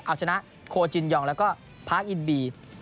เอาชนะโคจินยองแล้วก็แพ้อินบี